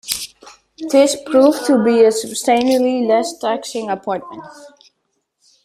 This proved to be a substantially less taxing appointment.